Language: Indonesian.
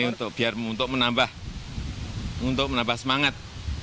ini untuk menambah semangat